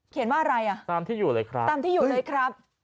เขียนว่าอะไรอ่ะตามที่อยู่เลยครับ